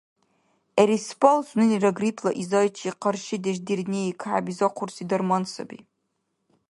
Эреспал – суненира гриппла изайчи къаршидеш дирни кахӀебизахъурси дарман саби.